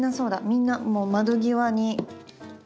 みんなもう窓際に。